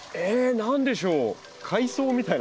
何でしょう？